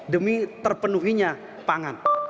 demi terpenuhinya pangan